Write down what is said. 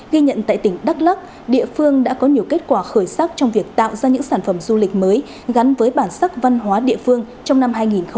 ghi nhận tại tỉnh đắk lắc địa phương đã có nhiều kết quả khởi sắc trong việc tạo ra những sản phẩm du lịch mới gắn với bản sắc văn hóa địa phương trong năm hai nghìn hai mươi ba